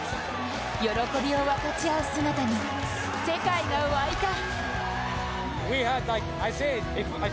喜びを分かち合う姿に世界が沸いた。